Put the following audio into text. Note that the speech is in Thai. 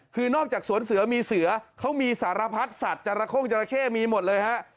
คือนอกจากสวนเสือมีเสือเขามีสารพัดสัตว์จราโค้งจราเข้มีหมดเลยฮะ